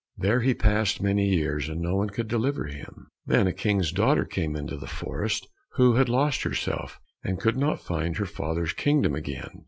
There he passed many years, and no one could deliver him. Then a King's daughter came into the forest, who had lost herself, and could not find her father's kingdom again.